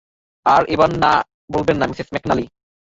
আর এবার, না বলবেন না, মিসেস ম্যাকনালি।